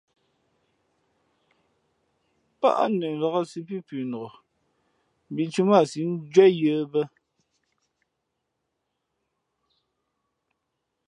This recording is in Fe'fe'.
Pά nəlāk sī pí pʉnok, mbīʼtū mά a síʼ njwéh yə̌ bᾱ.